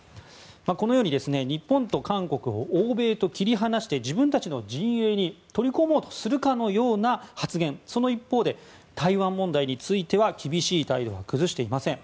このように日本と韓国を欧米と切り離して自分たちの陣営に取り込もうとするかのような発言その一方で、台湾問題については厳しい態度を崩していません。